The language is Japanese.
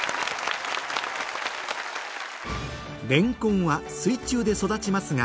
レンコンは水中で育ちますが